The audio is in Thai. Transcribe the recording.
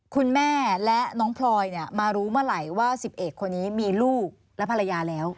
คุณแม่และน้องพลอยมารู้เมื่อไหร่ว่า๑๑คนนี้มีลูกและภรรยาแล้ว